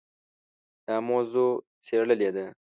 دا موضوع څېړلې ده.